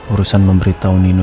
urusan memberitahu nino